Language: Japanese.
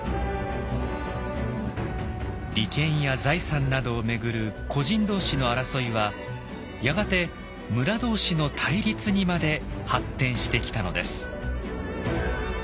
利権や財産などを巡る個人同士の争いはやがて村同士の対立にまで発展してきたのです。